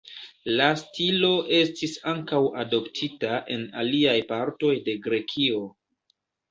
La stilo estis ankaŭ adoptita en aliaj partoj de Grekio.